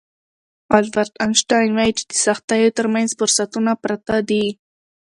البرټ انشټاين وايي چې د سختیو ترمنځ فرصتونه پراته دي.